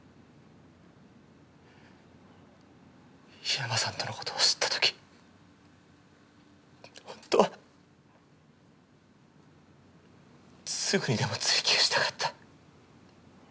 桧山さんとのことを知った時本当はすぐにでも追及したかった。